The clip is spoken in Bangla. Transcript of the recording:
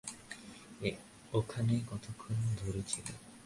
ওখানে কতক্ষণ ধরে ছিল?